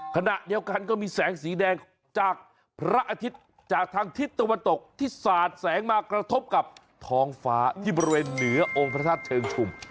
ขณะเดียวกันก็มีแสงสีแดงจากพระอาทิตย์จากทางทิศตะวันตกที่สาดแสงมากระทบกับท้องฟ้าที่บริเวณเหนือองค์พระธาตุเชิงชุม